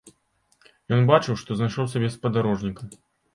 Ён бачыў, што знайшоў сабе спадарожніка.